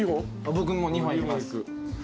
僕もう２本いきます。